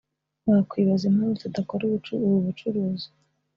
wakibaza impamvu tudakora ubu bucuruzi